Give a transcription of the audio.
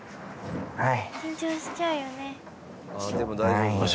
はい。